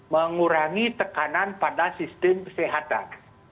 mengurangi tekanan pada sistem kesehatan